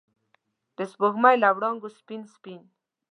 د سپوږمۍ له وړانګو سپین، سپین